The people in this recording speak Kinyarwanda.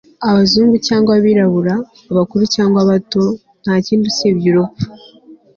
abazungu cyangwa abirabura, abakuru cyangwa abato, nta kindi usibye urupfu